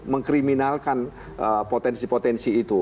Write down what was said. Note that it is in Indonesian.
mengkriminalkan potensi potensi itu